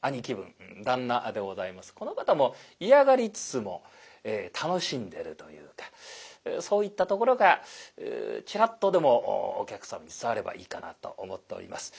この方も嫌がりつつも楽しんでるというかそういったところがチラッとでもお客様に伝わればいいかなと思っております。